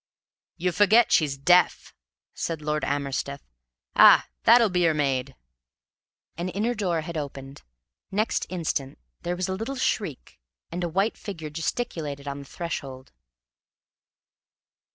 "You forget she's deaf," said Lord Amersteth. "Ah! that'll be her maid." An inner door had opened; next instant there was a little shriek, and a white figure gesticulated on the threshold.